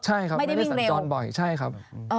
ใช่ครับไม่ได้วิ่งเร็วไม่ได้สันจรบ่อยใช่ครับ